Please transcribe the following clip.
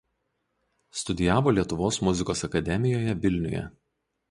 Studijavo Lietuvos muzikos akademijoje Vilniuje.